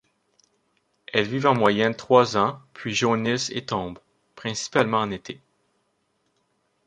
Elles vivent en moyenne trois ans puis jaunissent et tombent, principalement en été.